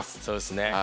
そうですね。